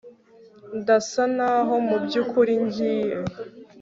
Ndasa naho mu by ukuri ngiye